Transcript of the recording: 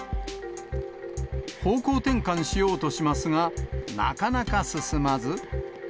方向転換しようとしますが、なかなか進まず。